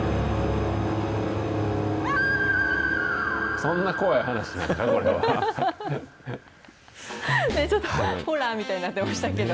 そんな怖い話なんか、ちょっとホラーみたいになってましたけど。